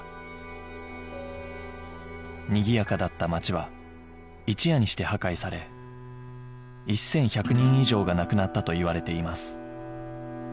にぎやかだった街は一夜にして破壊され１１００人以上が亡くなったといわれています